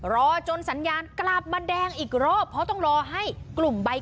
รอจนสัญญาณกลับมาแดงอีกรอบเพราะต้องรอให้กลุ่มใบ